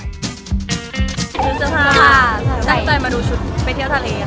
ซื้อเสื้อผ้าจังใจมาดูชุดไปเที่ยวทะเล